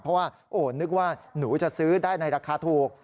เพราะว่าโอ้นึกว่าหนูจะซื้อได้ในราคาถูก